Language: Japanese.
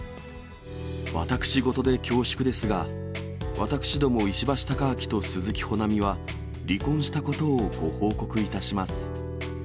私事で恐縮ですが、私ども石橋貴明と鈴木保奈美は、離婚したことをご報告いたします。